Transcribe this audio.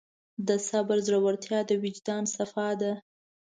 د صبر زړورتیا د وجدان صفا ده.